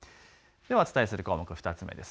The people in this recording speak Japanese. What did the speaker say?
ではお伝えする項目、２つ目です。